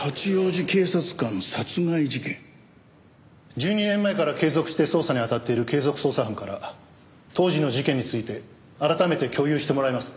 １２年前から継続して捜査にあたっている継続捜査班から当時の事件について改めて共有してもらいます。